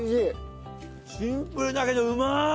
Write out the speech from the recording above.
シンプルだけどうまっ！